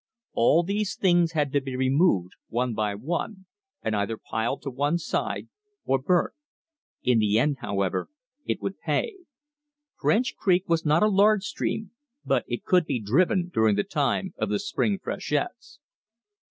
All these things had to be removed, one by one, and either piled to one side or burnt. In the end, however, it would pay. French Creek was not a large stream, but it could be driven during the time of the spring freshets.